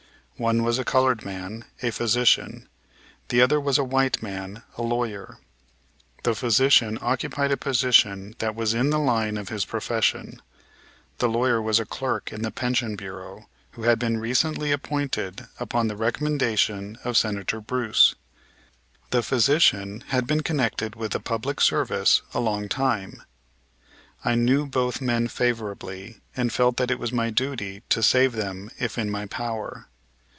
One was a colored man, a physician; the other was a white man, a lawyer. The physician occupied a position that was in the line of his profession. The lawyer was a clerk in the Pension Bureau, who had been recently appointed upon the recommendation of Senator Bruce. The physician had been connected with the public service a long time. I knew both men favorably and felt that it was my duty to save them if in my power.